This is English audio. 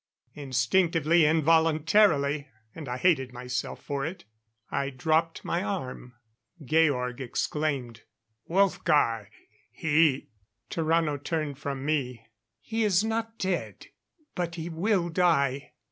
Instinctively, involuntarily and I hated myself for it I dropped my arm. Georg exclaimed: "Wolfgar he " Tarrano turned from me. "He is not dead but he will die.